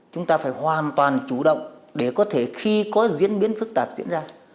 chúng ta phải hoàn toàn chủ động để có thể khi có diễn biến phức tạp diễn ra